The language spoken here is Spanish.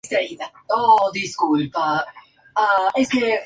Se dice entonces que la estrella se ha "envenenado" por helio.